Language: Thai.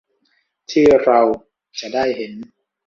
ที่เราจะได้เห็น